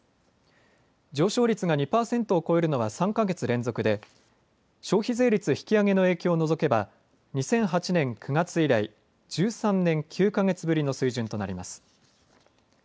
上昇率が２％を超えるのは３か月連続で消費税率引き上げの影響を除けば２００８年９月以来、１３年９か月ぶりの水準となります。